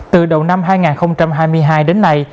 từ đầu năm hai nghìn hai mươi hai đến nay